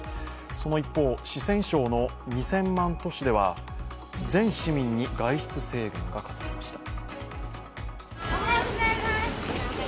その一方、四川省の２０００都市では全市民に外出制限が課されました。